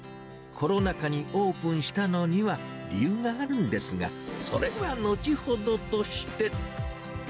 コロナ禍にオープンしたのには、理由があるんですが、それは後ほどとして。